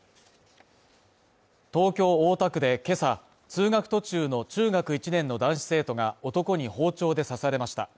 東京大田区で今朝、通学途中の中学１年の男子生徒が男に包丁で刺されました。